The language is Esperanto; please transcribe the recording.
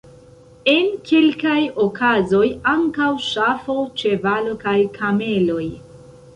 En kelkaj okazoj ankaŭ ŝafo, ĉevalo kaj kameloj.